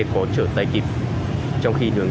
có chở tay kịp trong khi đường